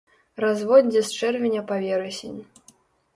Разводдзе з чэрвеня па верасень.